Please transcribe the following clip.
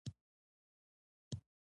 هغه وړه وه په فساد او ګناه نه پوهیده